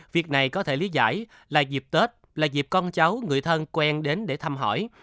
việc này có thể lý giải là dịp tết là dịp con cháu người thân quen đến để thăm hỏi